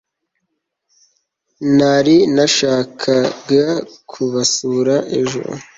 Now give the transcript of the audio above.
nari nashakaga kubasura ejo